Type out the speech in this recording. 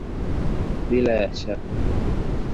Bila ya shaka!